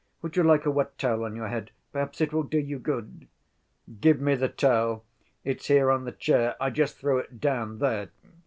Would you like a wet towel on your head? Perhaps it will do you good." "Give me the towel: it's here on the chair. I just threw it down there."